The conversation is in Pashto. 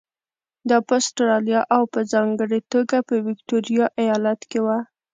دا په اسټرالیا او په ځانګړې توګه په ویکټوریا ایالت کې وو.